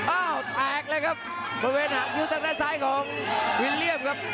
อ้าวแตกเลยครับบริเวณหางคิ้วทางด้านซ้ายของวิลเลี่ยมครับ